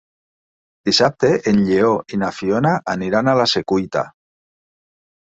Dissabte en Lleó i na Fiona aniran a la Secuita.